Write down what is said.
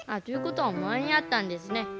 ということはまにあったんですね。